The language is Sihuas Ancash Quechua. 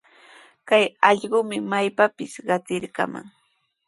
Kay allqumi maypapis qatiraakaman.